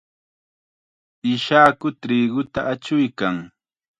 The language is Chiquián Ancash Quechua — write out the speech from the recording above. Ishaku triquta achuykan.